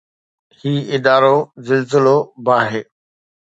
هي ادارو زلزلو، باهه